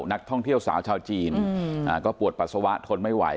นักท่องเที่ยวสาวชาวจีนก็ปวดปัสสาวะทนไม่ไหว